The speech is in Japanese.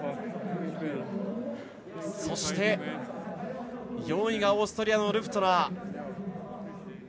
そして、４位がオーストリアのルフトゥナー。